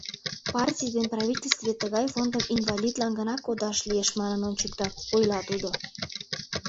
— Партий ден правительстве тыгай фондым инвалидлан гына кодаш лиеш манын ончыктат, — ойла тудо.